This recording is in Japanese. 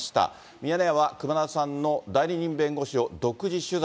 ミヤネ屋は、熊田さんの代理人弁護士を独自取材。